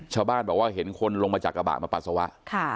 ชาวบ้านบอกว่าเห็นคนลงมาจากกระบะมาปัสสาวะ